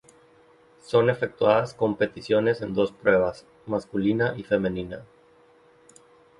Son efectuadas competiciones en dos pruebas: masculina y femenina.